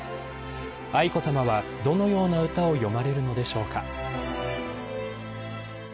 愛子さまは、どのような歌を詠まれるのでしょうか。